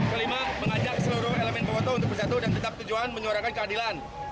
kelima mengajak seluruh elemen bowoto untuk bersatu dan tetap tujuan menyuarakan keadilan